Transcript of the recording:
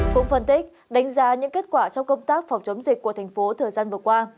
cũng phân tích đánh giá những kết quả trong công tác phòng chống dịch của thành phố thời gian vừa qua